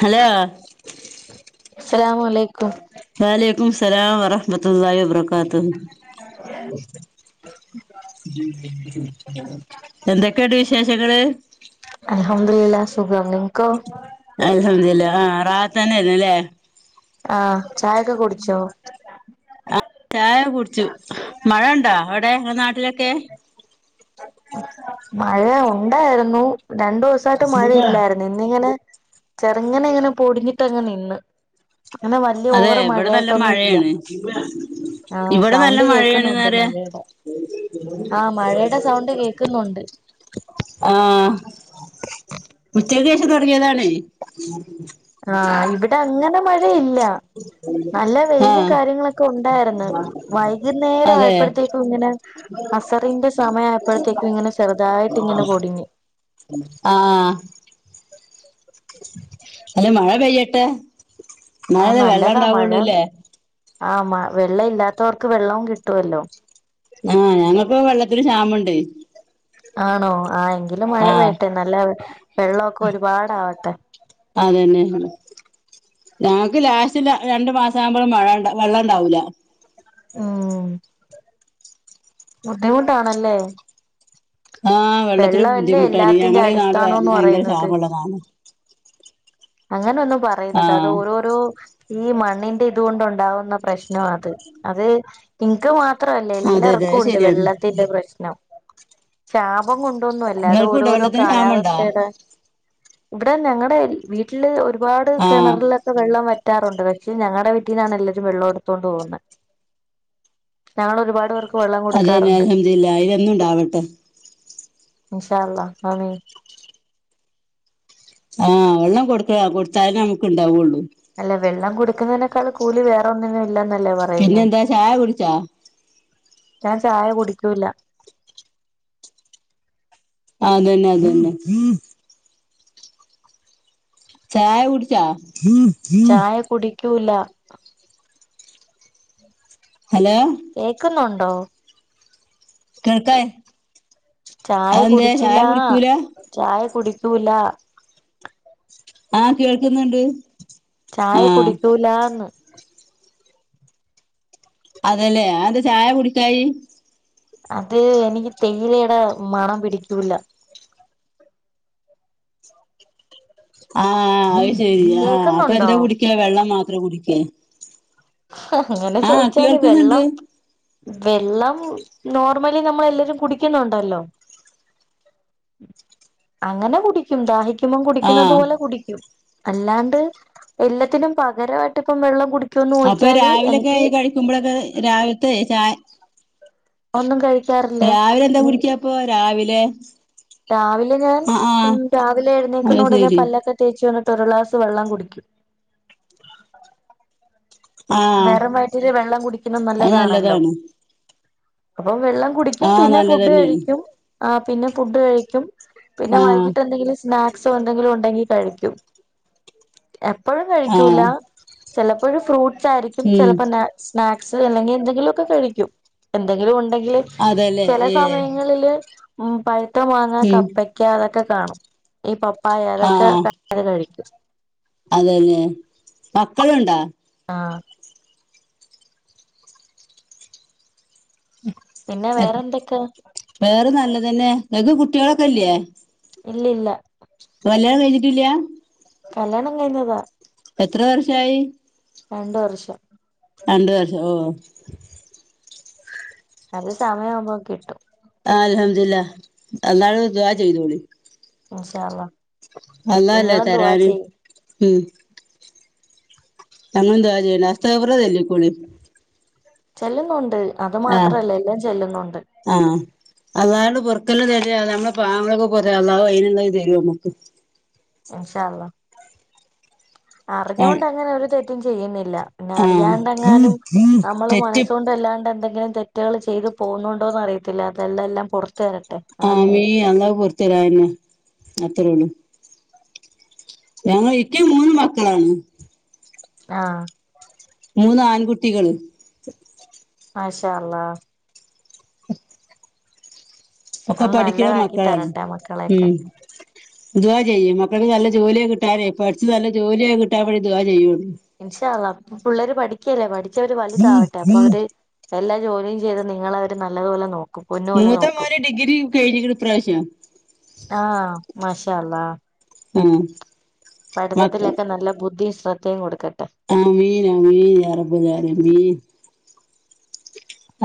Hello അസ്സലാമു അലൈക്കും വഅലൈക്കുമുസ്സലാം വറ [unintelligible] ബർക്കാത്തു എന്തൊക്കെയണ്ട് വിശേഷങ്ങള് അൽഹംദുലില്ലാ സുഖം നിംക്കോ അൽഹംദുല്ല ആ റാത്ത തന്നെ ആയിരുന്നു അല്ലേ ആഹ് ചായൊക്കെ കുടിച്ചോ ആ ചായ കുടിച്ചു മഴ ഇണ്ടാ അവിടെ ങ്ങടെ നാട്ടിലൊക്കെ മഴ ഉണ്ടാരുന്നു രണ്ടു ദിവസായിട്ട് മഴ ഇല്ലായിരുന്നു ഇ നിങ്ങനെ ചെറുങ്ങനെ ഇങ്ങനെ പൊടിഞ്ഞിട്ട് അങ് നിന്ന് അങ്ങനെ വലിയ അതെ ഓവർ ഇവിടെ നല്ല മഴയായിട്ടൊന്നും ഇല്ല മഴയാണ് ആഹ് ഇവിടെ നല്ല സൗണ്ട് മഴയാണ്ന്ന് കേൾക്കുന്നുണ്ട് പറയാ മഴേടെ ആഹ് മഴേടെ സൗണ്ട് കേക്കുന്നുണ്ട് ആഹ് ഉച്ചക്കേഷം തൊടങ്ങിതാണ് ആഹ് ഇവിടെ അങ്ങനെ മഴയിൽ ല്ല നല്ല ആ വെയിലും കാര്യങ്ങളൊക്കെ ഉണ്ടാരുന്നു വൈകുന്നേരം അതെ ആയപ്പൊ ത്തേ ക്കും ഇങ്ങനെ അസറിന്റെ സമയമായപ്പോഴത്തേക്കും ഇങ്ങനെ ചെറുതായിട്ട് ഇങ്ങനെ പൊടിഞ്ഞ് ആഹ അല്ല മഴ പെയ്യട്ടെ ആഹ് മഴഉണ്ടേ നല്ലതാ മഴ വെള്ളംണ്ടാവുള്ളൂല്ലേ ആ വെള്ളം ഇല്ലാത്തോ ർക്ക് വെള്ളവും കിട്ടുമല്ലോ ആഹ് ഞങ്ങൾക്ക് വെള്ളത്തില് ക്ഷാമണ്ട് ആണോ ആ എങ്കിലും മഴ ആ പെയ്യട്ടെ ട്ടെ നല്ല വെള്ളമൊക്കെ ഒരുപാടാവട്ടെ അതന്നെ ഞങ്ങക്ക് ലാസ്റ്റില് രണ്ടു മാസം ആകുമ്പോഴും മഴണ്ട വെള്ളം ഇണ്ടാവില്ല ഉം ബുദ്ധിമുട്ടാണല്ലേ ആഹ് വെള്ളത്തിന് വെള്ളമല്ലേ ബുദ്ധിമുട്ടാണ് എല്ലാത്തിന്റെ ഞങ്ങളീഈ നാട് അടിസ്ഥാനംന്ന് ഭയങ്കര പറയുന്നത് ശാപ ള്ളതാണ് അങ്ങനെ ഒന്നും പറയരുത് അത് ആഹ് ഓരോരോ ഈ മണ്ണിന്റെ ഇതുകൊണ്ട് ഉണ്ടാവുന്ന പ്രശ്നാ അത് അത് നിങ്ങ ക്ക് മാത്ര മാത്രല്ല അതെ അതെ എല്ലർക്കും അത് ഉണ്ട് ശരിയാണ് വെള്ളത്തിന്റെ പ്രശ്നം ശാപം കൊണ്ടൊന്നുമല്ല അത് നിങ്ങൾക്കുണ്ടോ ഓരോരോ വെള്ളത്തിന് ക്ഷാമണ്ടോ കാലാവസ്ഥയുടെ ഇവിടെ ഞങ്ങളുടെ വീട്ടില് ഒരുപാട് ആഹ് കിണറില ഇപ്പ വെള്ളം വറ്റാറുണ്ട് പക്ഷ ഞങ്ങടെ ടെ വീട്ടീന്നാണ് എല്ലാവും വെള്ളം എടുത്തു കൊണ്ട് പോകുന്നെ ഞങ്ങളൊ രുപാട്പേർക്ക് അതെന്നെ അൽ ഹംദു ലി ല്ലാ അതിനന്നും ഉണ്ടാവട്ടെ ഇൻ ഷാഅള്ളാ ആമീൻ ആഹ് വെള്ളം കൊടുക്കണം കൊടുത്താലേ നമുക്ക് ഉണ്ടാവുള്ളൂ അല്ല വെള്ളം കൊടുക്കുന്നതിനേക്കാൾകൂ കൂലി വേറൊ ന്നിനും ഇല്ലന്നല്ലേ പറയുന്നേ പിന്നെന്താ ചായ കുടിച്ചാ ഞാൻ ചായ കുടിക്കൂല ആ അതന്നെ അതു തന്നെ ചായ കുടിച്ച ചായ കുടിക്കൂല ഹലോ കേക്കുന്നുണ്ടോ ചായ കേൾക്കഅതെന്തെ ചായ കുടിച്ചില്ലാ കുടിക്കൂല ചായ കുടിക്കൂല ആഹ കേൾക്കുന്നുണ്ട് ചായ ആഹ് കുടിക്കൂലാ ന്ന് അതല്ലേഅത് എന്താ ചായ കുടിക്കായി അത് എനിക്ക് തേയിലയുടെ മണം പിടിക്കൂല ആഹ അത് ശരി ആ അപ്പൊ കേക്കുന്നുണ്ടോ എന്താ കുടിക്കവെള്ളം മാത്രം കുടിക്കെ അങ്ങനെ ചോയിച്ചാല് വെള്ളം വെള്ളം നോർമലി നമ്മളെ ല്ലരും കുടിക്കുന്നുണ്ടല്ലോ അങ്ങനെ കുടിക്കും ദാഹി മിനിമം കുടിക്കുന്നത് ആഹ് പോലെ കുടിക്കും അല്ലാണ്ട് എല്ലത്തിനും പകരമായിട്ടിപ്പം വെള്ളം കുട ഒ ഇപ്പൊ രാവിലൊക്കെ കഴിക്കുമ്പോളൊ ക്കെ രാവിലത്തെ ചാ ഒന്നും കഴിക്കാറില്ല ഇ എന്താ കുടിക്യ പ്പൊ രാ വിലെ രാവിലെ ഞാൻ ഉ രാവിലെ അത് എഴുന്നേക്കുന്നോടനെ ശരി പല്ലൊക്കെ തേച്ച് വന്നിട്ട് ഒരു ഗ്ലാസ് വെള്ളം കുടിക്കും ആഹ് വെറും വയറ്റി ല് വെള്ളം കുടിക്കണ അത് നല്ലതാണല്ലോ നല്ലതാണ് അപ്പൊ വെള്ളം കുടിക്കും ആഹ് പിന്നെ ഫുഡ്‌ നല്ലതന്നെയാണ് ഴിക്കും പിന്നെ ആഹ് വൈകിട്ട് എന്തെങ്കിലും സ് സ്നാക്സോ എന്തെങ്കിലും ഉണ്ടെങ്കി കഴിക്കും എപ്പൊ ഴും കഴിക്കൂല ആഹ് ചെ ലപ്പോ ഒരു ഫ്രൂട്ട്സ് ആയിരിക്കും ഉം ചിലപ്പോ സ്നാക്സ് അല്ലെങ്കിൽ എന്തെങ്കിലുമൊക്കെ കഴിക്കും എന്തെങ്കിലും ഉണ്ടെങ്കിൽ അതല്ലേ ചെല ഏഹ് സമയങ്ങളില് ഉ പഴുത്തമാ ഉം ങ്ങകപ്പ ക്ക അതൊക്കെ കാണും ഈ പപ്പായ അതൊക്കെ അത് കഴിക്കും അതെല്ലേ മക്കളുണ്ടാ ആഹ് ഉം പിന്നെ വേറെ എന്തൊക്കാ വേറെ നല്ലതന്നെ നിക്ക് കുട്ടികളൊക്കെല്ലേ ഇല്ല ഇല്ല കല്യാണം കഴഞ്ഞിട്ടില്ല കല്യാണം കഴിഞ്ഞതാ ഇപ്പം എത്ര വർഷായി രണ്ട് വർഷം രണ്ട് വർഷം ഓ അത് സമയം ആവുമ്പോ കിട്ടും ആൽഹംദില്ല അള്ളാ ഓട് ദുവാ ചെയ്തോളി ഇൻഷാ അള്ള അള്ള അല്ലെ തരാന് ഉം [unintelligible] ചൊല്ലികോളി ചൊല്ലുന്നുണ്ട് അത് ആഹ് മാത്രല്ല എല്ലാം ചെല്ലുന്നുണ്ട് ആഹ് അതാണ്ട് പുറക്കെല്ലാം തരി നമ്മള് പാവങ്ങൾക്ക് പോരാ അള്ള വഴി ഉണ്ടാക്കി തരും നമുക്ക് ഇൻഷാ അള്ള അറിഞ്ഞുകൊണ്ട് അങ്ങനെ ഒരു തെറ്റും ചെയ്യുന്നില്ല പിന്നെ ആഹ് അറിയാണ്ടെങ്ങാനും നമ്മള തെറ്റ് മനസ്സ കൊണ്ട്ല്ലാണ്ട് എന്തെങ്കിലും തെ റ്റുകള് ചെയ്തു പോകുന്നുണ്ടോന്ന് അറിയത്തില്ല അതെല്ലാം ല്ലാ പൊറത്തു തരട്ടെ ആഹ് ആമീൻ മീ അള്ള പോറത്തിരന്ന് അത്രയോളും ഞങ്ങ ഇക്ക് മൂന്ന് മക്കളാണ് ആഹ് മൂന്ന് ആൺകുട്ടികള് മാഷ അള്ളാ ഒക്കെ ആഹ് പഠിക്കണ നല്ലതാക്കി തരട്ടെ മക്കളെയൊക്കെ ദുവ ചെയ്യും മക്കൾക്ക് നല്ല ജോലിയൊക്ക കിട്ടാനേ പഠിച്ച് നല്ല ജോലിയെ കിട്ടാൻ വേണ്ടി ദുവാ ചെയ്യുകയുള്ളൂ ഇൻഷാ അള്ള പിള്ളേര് പഠിക്കല്ലേ പഠിച്ചവര് വലുതാവട്ടെ അപ്പൊ അവര് എല്ലാ ജോലിയും ചെയ്ത് നിങ്ങളെ അവര് നല്ലതുപോലെ നോക്കും പൊന്നു പോലെ മൂത്താ നോക്കും മോനു ഡിഗ്രി കഴിഞ്ഞിക്കിണ് ഇപ്രാവശ്യം ആഹ് മാഷ അള്ളാ ഉം പഠിത്തത്തിലൊക്കെ നല്ല ബുദ്ധിയും ശ്രദ്ധയും കൊടുക്കട്ടെ ആമീൻ ആമീൻ അറബതാര മീൻ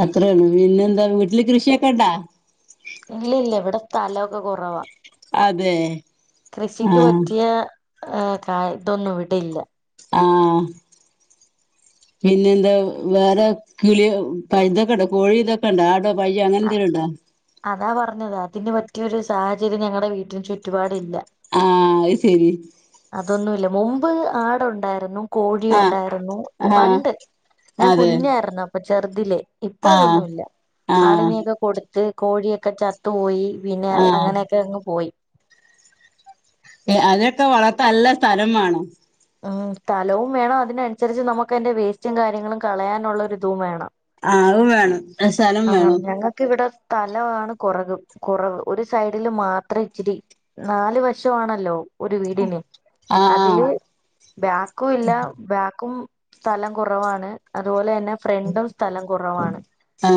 അത്രേ ഉള്ളു പിന്നെന്താ വീട്ടില് കൃഷിയൊക്കെണ്ടാ ഇല്ല ഇല്ല ഇവിടെ സ്ഥലമൊക്കെ കുറവാ അതെ കൃഷിക്ക് ആഹ് പറ്റിയ ക ഇതൊന്നും ഇവിടെ ഇല്ല ആഹ് പിന്നെ എന്താ വേറെ കിളി [unintelligible] ഇതൊക്കെണ്ടോ കോഴി ഇതൊക്കെണ്ടണ്ട് ആടോ പയ്യോ അങ്ങനെന്തെലും ഉണ്ടോ അതാ പറഞ്ഞത് അതിന് പറ്റിയൊരു സാഹചര്യം ഞങ്ങളടെ വീട്ടന് ചുറ്റുപാടില്ല ആഹ് അശരി അതൊന്നു ഇല്ല മുമ്പ് ആടു ഉണ്ടായിരുന്നു കോഴി ആഹ് ഉണ്ടായിരുന്നു ആഹ് പണ്ട് ഞാൻ അതെ കുഞ്ഞായിരുന്നപ്പൊ ചെറുതിലെ ഇപ്പ ആഹ് അതൊന്നുമില്ല ആഹ് ആടിനെയൊക്കെ കൊടുത്ത് കോഴിയൊക്കെ ചത്തു പോയി പിന്നെ ആഹ് അങ്ങനെയൊക്കെ അങ്ങ് പോയി പി അതൊക്കെ വളർത്ത നല്ല സ്ഥലം വേണം ഉം സ്ഥലവും വേണം അതിനനുസരിച്ച് നമുക്ക് അതിന്റെ വേസ്റ്റും കാര്യങ്ങളും കളയാനുള്ള ഒര് തും വേണം. ആ അവും വേണം സലം വേണം. ഞങ്ങക്ക് ഇവിടെ സ്ഥലാമാണ് കുറക് കുറവ് ഒരു സൈഡില് മാത്രം ഇച്ചിരി നാല് വശമാണല്ലോ ഒരു വീടിന് ആ ആ അതില് ബാക്കും ഇല്ല ബാക്കും സ്ഥലം കുറവാണ് അതുപോലെ തന്നെ ഫ്രണ്ടും സ്ഥലം കുറവാണ്. ആ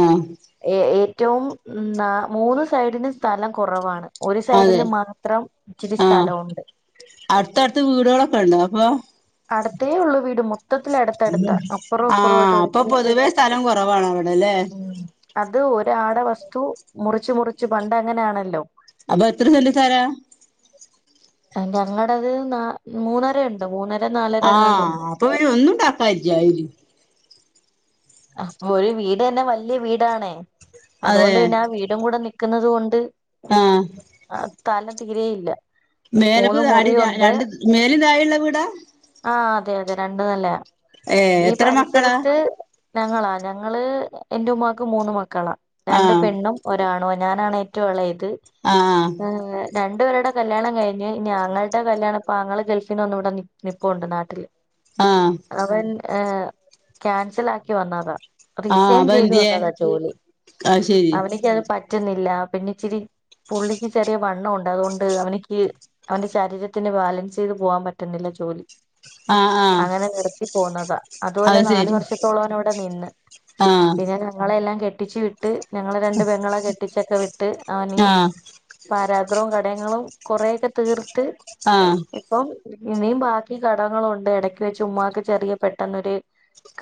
ഏ ഏറ്റവും ന്ന മൂന്ന് സൈഡിന് സ്ഥലം കുറവാണ്. ഒരു അതെ സൈഡില് മാത്രം ഇച്ചിരി സ്ഥലവുണ്ട്. അട്ത്തട്ത്ത് വീടുകളൊക്കെ ഉണ്ടോ അപ്പൊ അടുത്തേ ഉള്ളൂ വീട് മൊത്തത്തിലടുത്തടുത്ത അപ്പുറോ ആ അപ്പുറോ ആയിട്ട് അപ്പൊ ഒരുമിച്ച് പൊതുവേ സ്ഥലം കുറവാണ് അവിടെ അല്ലേ ഉം അത് ഒരാട വസ്തു മുറിച്ച് മുറിച്ച് പണ്ട് അങ്ങനെയാണല്ലോ. അപ്പൊ എത്ര യത്ര സെന്റ് സ്ഥലാ? അ ഞടത് ന്ന മൂന്നര ഉ ണ്ട് മൂന്നര ന്നാൽ ആ അപ്പൊ ഒന്നുംണ്ടാക്കാ [unintelligible] ആഹ് ഒരു വീട് തന്നെ വലിയ വീടാണേ അതെ അതോണ്ട് പിന്നെ ആ വീടും കൂടെ നിക്ക്ന്നത് കൊണ്ട് ആ ആഹ് തലം തീരെയില്ല മൂന്ന് മേലപ്പ അടി മുറിയുണ്ട് രണ്ട് മേലും തായള്ള വീടാ ആ അതെ അതെ രണ്ടന്നല്ലേ ഏ ഈ എത്ര മക്കളാ പരിസരത്ത് ഞങ്ങളാ ഞങ്ങള് എന്റെ ഉമ്മാക്ക് മൂന്ന് മക്കളാ ആ രണ്ട് പെണ്ണും ഒരാണോ ഞാനാണ് ഏറ്റവും എളയത് ആ ആ ഏഹ് രണ്ടു പേരുടെ കല്യാണം കഴിഞ്ഞ് ഇനി ആങ്ങളുടെ കല്യാണം ഇപ്പൊആങ്ങള ഗൾഫിന്ന് വന്ന് ഇവിടെ നി നിപ്പുണ്ട് നാട്ടില്. ആഹ്. അവൻ ഹേ ക്യാൻസൽ ആക്കി വന്നതാ. ആ റീസൈൻ അപ്പൊ ചെയ്ത് എന്തിയേ വന്നതാ ജോലി ആ ശരി അവനക്ക് അത് പറ്റുന്നില്ല പിന്നെ ഇച്ചിരി പുള്ളിക്ക് ചെറിയ വണ്ണ ഉണ്ട് അതുകൊണ്ട് അവനിക്ക് അവന്റെ ശരീരത്തിന് ബാലൻസ് ചെയ്ത് പോകാൻ പറ്റുന്നില്ല ജോലി ആ ആ അങ്ങനെ നിർത്തി പോന്നതാ അതുപോലെ അത് നാലു ശരി വർഷത്തോളം അവനവിട നിന്ന് ആ പിന്നെ ഞങ്ങളെല്ലാം കെട്ടിച്ചു വി ഇട്ട് ഞങ്ങള് രണ്ട് പെങ്ങള കെട്ടിച്ചൊക്കെ വിട്ട് അവന് ആഹ് ട്ട് പാരാഗ്രവും കടയങ്ങളും കൊറേക്കെ തീർത്ത് ആഹ് ഇപ്പം ഇനിയും ബാക്കി കടങ്ങളുണ്ട് ഇടക്ക് വെച്ച് ഉമ്മാക്ക് ചെറിയ പെട്ടെന്നൊരു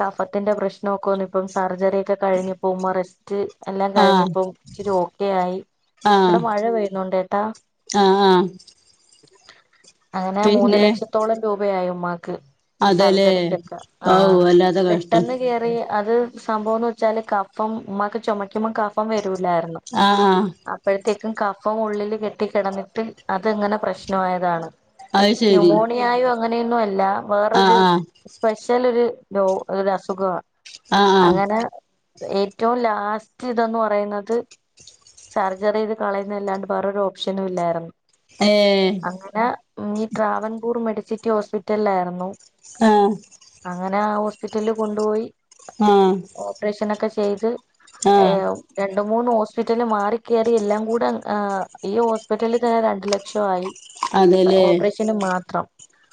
കഫത്തിന്റെ പ്രശ്നൊക്കെ വെന്നപ്പം സർജറി ഒക്കെ കഴിഞ്ഞപ്പം ഉമ്മ റെ സ്റ്റ് എല്ലാം ആഹ് കഴിഞ്ഞപ്പോം ഇച്ചിരി ഓക്കെ ആയി ഇവിടെ ആഹ് മഴ പെയ്യുന്നുണ്ട്ട്ടോ ആഹ് ആഹ് അങ്ങനെ മൂന്ന് പിന്നെ ലക്ഷത്തോളം രൂപയായി ഉമ്മാക്ക് അതെലേ ആഹ് പെട്ടെന്ന് കേറി അത് സംഭവംന്ന് വെച്ചാല് കഫം ഉമ്മാക്ക് ചുമക്കുമ്പം കഫം വരൂല്ലായിരുന്നു ആഹ് അപ്പഴത്തേക്കും കഫം ഉള്ളില് കെട്ടി കിടന്നിട്ട് അത്ങ്ങനെ പ്രശ്നായതാണ് അത് ശരി ന്യൂമോണിയായോ അങ്ങനെയൊന്നും അല്ല ആഹ് വേറൊരു ആഹ് സ്പെഷ്യൽ ഒരു ഡോ ഒരു അസുഖാ ആഹ് ആഹ് അങ്ങനെ ഏറ്റവും ലാസ്റ്റ് ഇതന്ന് പറയുന്നത് സർജറി ചെയ്ത് കളയുന്ന അല്ലാണ്ട് വേറൊരു ഓപ്ഷനും ഇല്ലായിരുന്നു ഏഹ് അങ്ങനെ ഉമ്മീ ട്രാവൻകൂർ മെഡിസിറ്റി ഹോസ്പിറ്റല്ലായിരുന്നു ആഹ് അങ്ങനെ ആ ഹോസ്പിറ്റലില് കൊണ്ടോയി ആഹ് ഓപ്പറേഷനൊക്കെ ചെയ്ത് ആഹ് രണ്ട് മൂന്ന് ഹോസ്പിറ്റല് മാറി കേറി എല്ലാം കൂടെ ഈ ഹോസ്പിറ്റലിൽ തന്നെ രണ്ട് ലക്ഷായി അതെല്ലേ ഓപ്പറേഷന് മാത്രം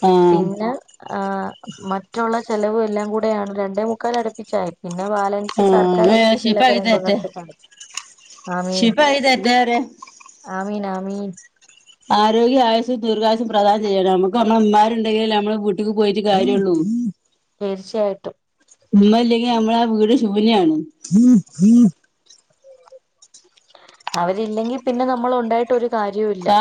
ആഹ് പിന്നെ ആഹ് മറ്റുള്ള ചെലവ് എല്ലാം കൂടെയാണ് രണ്ടേ മുക്കാല് അടുപ്പിച്ചായി പിന്നെ ബാലൻസ് ആഹ് സർക്കാർ വേഗം ഹോസ്പിറ്റലിലൊക്കെ രണ്ടൂന്നടുത്ത് കാണിച്ചു ആമീൻ ശിപായി [unintelligible] ആമീൻ ആമീൻ ആരോഗ്യവും ആയുസ്സും ദീർഘായുസ്സും പ്രാധാനം ചെയ്യട്ടെ നമ്മക്ക് നമ്മെ ഉമ്മാരുണ്ടെങ്കിലല്ലേ നമ്മളെ വീട്ടിക്ക് പോയിട്ട് കാര്യുള്ളൂ തീർച്ചയായിട്ടും ഇമ്മല്ല്യങ്കി നമ്മള ആ വീട് ശൂന്യാണ് അവരില്ലെങ്കി പിന്നെ നമ്മള് ഉണ്ടായിട്ടൊരു സാ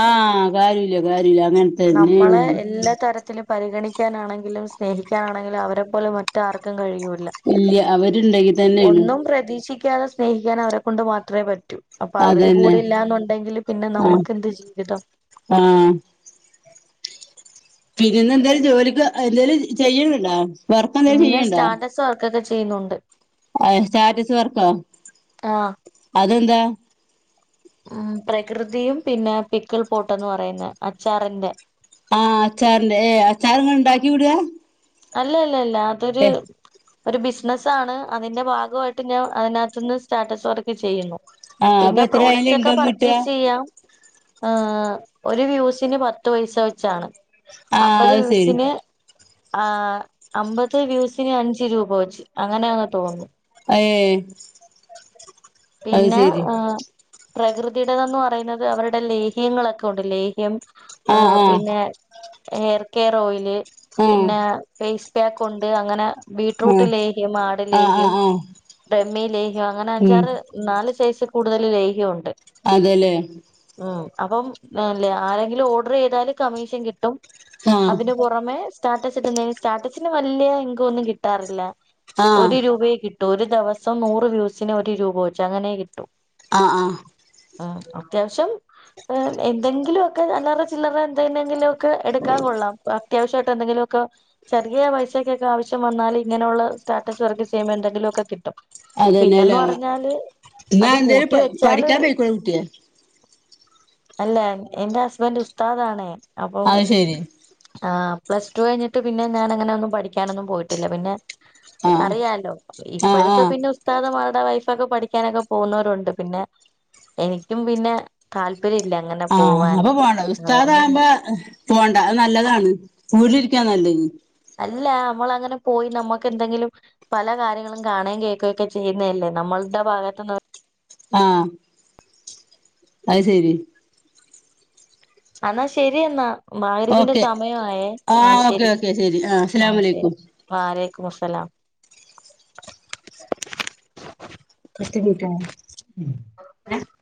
കാര്യല്ല കാര്യല്ല അങ്ങന നമ്മളെ എല്ലാ തരത്തിലും പരിഗണിക്കാനാണെങ്കിലും സ്നേഹിക്കാനാണെങ്കിലും അവരെ പ്പോലെ മറ്റാർക്കും കഴിയൂൽ ഇല്യ അവരുണ്ടെങ്കി തന്നെയാണ് പ്രതീക്ഷി ക്ക്യാതെ സ്നേഹിക്കാൻ അവരെ കൊണ്ട് മാത്രേ പറ്റൂ. അപ്പ അവര് അതന്നെ കൂടെ ഇല്ലാന്നുണ്ടെങ്കില് പിന്നെ ആഹ് നമ്മക്ക് എന്ത് ജീവിതം ആഹ് പിന്നെന്ന് എന്തേലും ജോലിക്ക് എന്തേലും ചെയ്യ്ണ് ഇണ്ടോ പിന്നെ സ്റ്റാറ്റസ് വർക്കൊക്കെ ചെയ്യുന്നുണ്ട് അഹ് സ്റ്റാറ്റസ് വർക്കോ ആഹ് അതെന്താ ആഹ് പ്രകൃതിയും പിന്നെ പിക്കിൾ പോട്ടന്ന് പറയുന്ന അച്ചാറിൻ്റെ ആഹ് അച്ചാറിന്റെ ഏഹ് അച്ചാറ്ങ്ങൾ ഇണ്ടാക്കി വിടാ അല്ല അല്ല അല്ല അതൊരു ഏഹ് ഒരു ബിസിനസ്സ് ആണ് അതിന്റെ ഭാഗമായിട്ട് ഞാൻ അതിനകത്തു നിന്ന് സ്റ്റാറ്റസ് വർക്ക് ചെയ്യുന്നു. ആഹ് അപ്പൊ പിന്നെ എത്ര അയില് പ്രോഡക്റ്റ് ഒക്കെ ഇൻകം കിട്ടാ പർച്ചേസ് ചെയ്യാം. ആ ഒരു വ്യൂസിന് പത്ത് പയസ വെച്ചാണ് ആഹ് അമ്പത് അത് ശരി വ്യൂസിന് ആ അമ്പത് വ്യൂസിന് അഞ്ച് രൂപ വെച്ച് അങ്ങനെയന്ന് തോന്നുന്നു. അയേ അത് ശരി. പ്രകൃതിയുടെതന്ന് പറയുന്നത് അവരുടെ ലേഹ്യങ്ങളൊക്കെ ഉണ്ട് ലേഹ്യം ആ ആഹ് ആഹ് പിന്നെ ഹെയർ കെയർ ഓയില്, ആഹ് പിന്നെ ഫേസ് പാക്ക്, ഉണ്ട് അങ്ങനെ ബീട്ട്റൂട്ട് ആഹ് ലേഹ്യം, ആഹ് ആട്ലേഹ്യം, ആഹ് ആഹ് ബ്രഹ്മിലേഹ്യം, അങ്ങനെ ഉം അഞ്ചാറ് നാല് സൈസിക്കൂടുതൽ ലേഹ്യഉണ്ട്. അതെല്ലേ? ആ അപ്പം ല്ലേ ആരെങ്കിലും ഓഡർ ചെയ്താല് കമ്മീഷൻ കിട്ടും ആഹ് [unintelligible] പുറമേ സ്റ്റാറ്റസിടുന്ന സ്റ്റാറ്റസിന് വല്യഇങ്ക ഒന്നും കിട്ടാറില്ല ആഹ് ഒരു രൂപയെ കി ട്ട് ഒരു ദിവസം നൂറ് വ്യൂസിന് ഒരു രൂപ വെച്ച് അങ്ങനെ കിട്ടൂ. ആഹ് ആഹ്. ആ അത്യാവശ്യം എന്തെങ്കിലുവൊക്കെ അല്ലറ ചില്ലറ എന്തേനെങ്കിലു ക്ക്‌ എടുക്കാൻ കൊള്ളാം അത്യാവശ്യായിട്ട് എന്തെങ്കിലുക്കെ ചെറിയ പൈസക്കൊക്കെ ആവശ്യം വന്നാൽ ഇങ്ങനെയുള്ള സ്റ്റാറ്റസ് വർക്ക് ചെയ്യുമ്പ എന്തെങ്കിലു ഒക്കെ കിട്ടും. പിന്നന്ന് അതന്നെല്ലേ പറഞ്ഞാല് എന്നാ അത് എന്തേലും കൂട്ടി പഠിക്കാൻ വെച്ചാലൊരു പോയിക്കൂടെ കുട്ടിയെ അല്ല എന്റെ ഹസ്ബൻറ് ഉസ്താദ് ആണ്. അത് ശെരി. ആ പ്ലസ് ടു കഴിഞ്ഞിട്ട് പിന്നെ ഞാൻ അങ്ങനൊന്നും പഠിക്കാനൊന്നും പോയിട്ടില്ല പിന്നെ ആഹ് അറിയാലോ ആഹ് ഇപ്പോഴത്തെ ആഹ് പിന്നെ ഇക്കാക്ക മാരുടെ വൈഫൊക്കെ പഠിക്കാനൊക്കെ പോകുന്നവരുണ്ട്. പിന്നെ, എനിക്കും പിന്നെ തൽ ൽപര്യല്യയാ അങ്ങനെ. ആഹ്, പോവാന് അപ്പൊ പോണം. അതുകൊണ്ട് തന്നെ ഉസ്താദാവുമ്പോ പോണ്ട. അത് നല്ലതാണ്, വീട്ടിലിരിക്കാ നല്ലത്. അല്ല, നമ്മൾ അങ്ങനെ പോയി, നമ്മക്ക് എന്തെങ്കിലും പല കാര്യങ്ങളും കാണുകയും കേൾക്കുകൊക്കെ ചെയ്യുന്നതല്ലേ? നമ്മൾടെ ഭാഗത്ത്ന്ന് ആഹ് അയ്ശരി. എന്നാ ശരിയെന്ന. മഗ്‌രിബിന്റെ ഓക്കെ സമയായെ. ആഹ്, ഓക്കെ ശരി. ഓക്കെ ശരി ആഹ്, അസ്സലാമു ശരി. അലൈക്കും വലൈക്കും മുസ്സലാം. കെട്ടിപിടിക്കണം. ഉം. [inaudible]